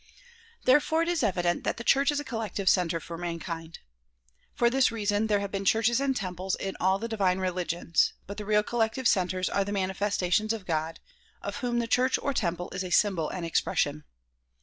Therefore it is evident that the church is a collective center for mankind. For this reason there have been churches and temples in all the divine religions ; but the real collective centers are the manifestations of God, of whom the church or temple is a symbol and expression.